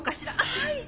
はい。